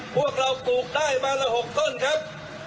พวกเราปลูกได้มาละ๖ต้นครับ